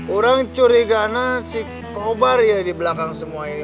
orang curiga si cobra ya di belakang semua ini